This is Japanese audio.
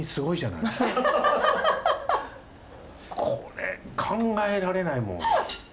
これ考えられないもん！